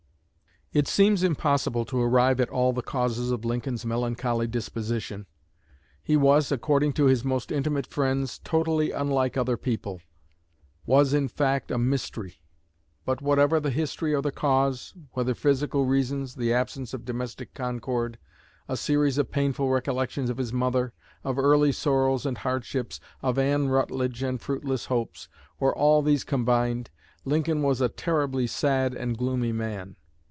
It seems impossible to arrive at all the causes of Lincoln's melancholy disposition. He was, according to his most intimate friends, totally unlike other people, was, in fact, "a mystery." But whatever the history or the cause, whether physical reasons, the absence of domestic concord, a series of painful recollections of his mother, of early sorrows and hardships, of Anne Rutledge and fruitless hopes, or all these combined, Lincoln was a terribly sad and gloomy man.